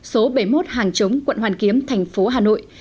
số bảy mươi một hàng chống quận hoàn kiếm thành phố hà nội